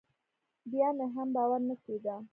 بيا مې هم باور نه کېده.